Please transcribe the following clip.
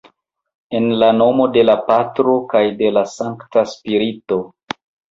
En la nomo de la Patro kaj de la Sankta Spirito.